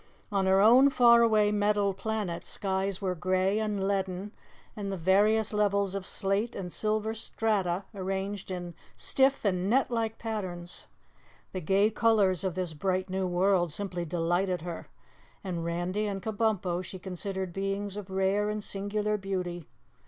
On her own far away metal planet, skies were grey and leaden, and the various levels of slate and silver strata arranged in stiff and net like patterns. The gay colors of this bright new world simply delighted her, and Randy and Kabumpo she considered beings of rare and singular beauty.